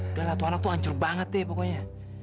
udah lah tua anak tuh hancur banget deh pokoknya